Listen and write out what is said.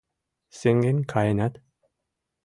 «Сеҥен каенат»!